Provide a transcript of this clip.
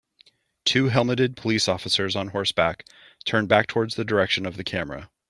Two helmeted police officers on horseback turn back towards the direction of the camera.